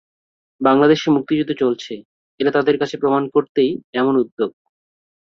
বাংলাদেশে মুক্তিযুদ্ধ চলছে, এটা তাদের কাছে প্রমাণ করতেই এমন উদ্যোগ।